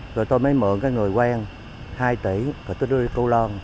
rồi tôi mới mở cái người quen hai tỷ và tôi đưa đi câu lo